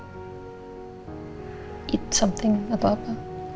eat something atau apa